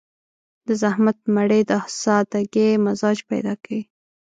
د زحمت مړۍ د سادهګي مزاج پيدا کوي.